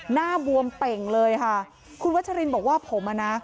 หน้าบวมเป่งเลยค่ะคุณวัชรินบอกว่าผมอ่ะนะ